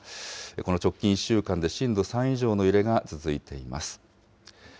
この直近１週間で震度３以上の揺れが続いています。